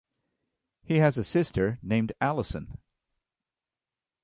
He has a sister named Allison.